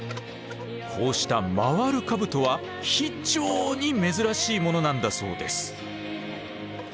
こうした回る兜は非常に珍しいものなんだそうです。